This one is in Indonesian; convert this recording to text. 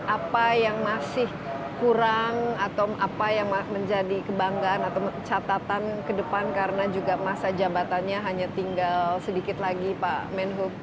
apa yang masih kurang atau apa yang menjadi kebanggaan atau catatan ke depan karena juga masa jabatannya hanya tinggal sedikit lagi pak menhub